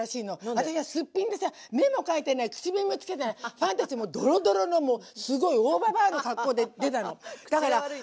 私はすっぴんでさ目も描いてない口紅もつけてないファンデーションもドロドロのもうすごい大ババアの格好で出たの。